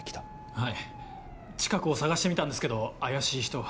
はい近くを捜してみたんですけど怪しい人は。